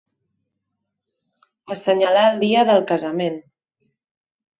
Assenyalar el dia del casament.